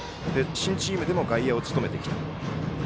新チームでも外野を務めてきた。